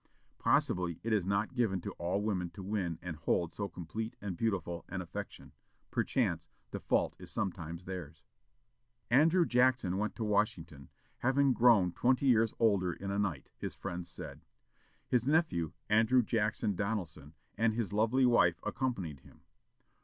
Possibly it is not given to all women to win and hold so complete and beautiful an affection; perchance the fault is sometimes theirs. Andrew Jackson went to Washington, having grown "twenty years older in a night," his friends said. His nephew, Andrew Jackson Donelson, and his lovely wife accompanied him.